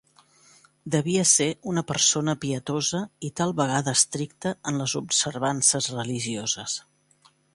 Devia ser una persona pietosa i tal vegada estricta en les observances religioses.